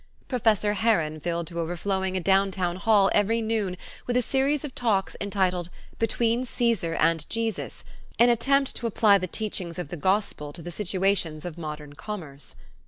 Professor Herron filled to overflowing a downtown hall every noon with a series of talks entitled "Between Caesar and Jesus" an attempt to apply the teachings of the Gospel to the situations of modern commerce.